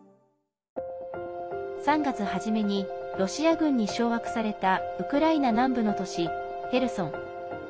３月初めにロシア軍に掌握されたウクライナ南部の都市ヘルソン。